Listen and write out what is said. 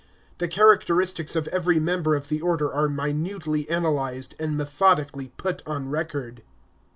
The characteristics of every member of the Order are minutely analyzed, and methodically put on record.